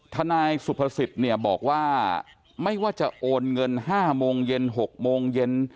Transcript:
นายสุภสิทธิ์เนี่ยบอกว่าไม่ว่าจะโอนเงิน๕โมงเย็น๖โมงเย็น